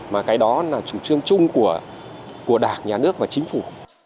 mà cái đó là chủ trương chung của đảng nhà nước và chính phủ